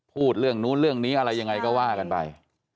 พูดเรื่องนู้นเรื่องนี้อะไรยังไงก็ว่ากันไป